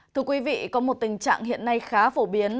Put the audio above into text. thưa quý vị có một tình trạng hiện nay khá phổ biến